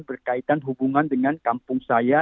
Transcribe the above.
berkaitan hubungan dengan kampung saya